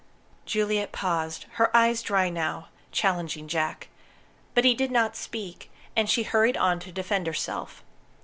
Juliet paused, her eyes dry now, challenging Jack. But he did not speak, and she hurried on to defend herself.